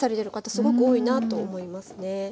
すごく多いなと思いますね。